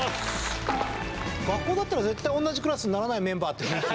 学校だったら絶対同じクラスにならないメンバー。